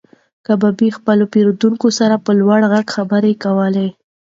کبابي د خپل پیرودونکي سره په لوړ غږ خبرې کولې.